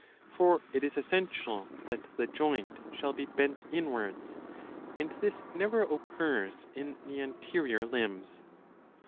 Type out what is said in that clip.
^^ For it is essential that the joint shall be 683 b. I lO iv. 6 — iv. 8. bent inwards, and this never occurs in the anterior limbs.